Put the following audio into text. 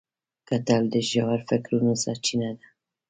کتل د ژور فکرونو سرچینه ده